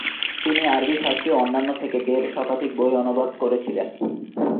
তিনি আরবি ফারসি ও অন্যান্য থেকে দেড় শতাধিক বই অনুবাদ করেছিলেন।